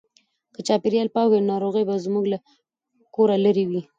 که چاپیریال پاک وي نو ناروغۍ به زموږ له کوره لیري وي.